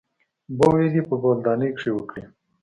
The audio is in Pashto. بولې دې په بولدانۍ کښې وکړې.